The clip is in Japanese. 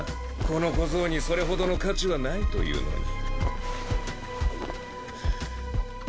この小僧にそれほどの価値はないというのに。